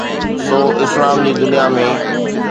سو اسلام جي دنيا ۾.